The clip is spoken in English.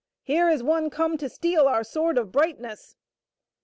here is one come to steal our Sword of Brightness."